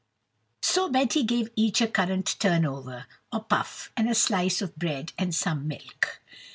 So Betty gave each a currant turnover or puff, and a slice of bread and some milk.